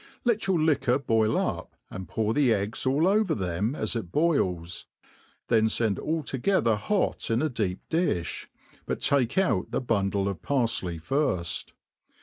Let your liquor boil up^ and pour the eggs all over them as it boils.; then fend all to. > gether hot in a deep difh, but take out the bundle of parfley firft.